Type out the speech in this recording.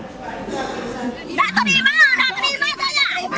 tidak terima tidak terima saya